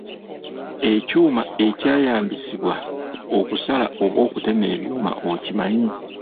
Ekyuma ekyayambisibwa okusala oba okutema ebyuma okimanyi?